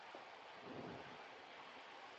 En Chile residió durante cuatro meses.